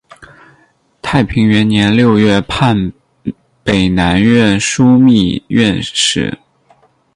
太平元年六月判北南院枢密院事。